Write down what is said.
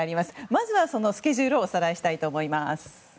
まずはスケジュールをおさらいしたいと思います。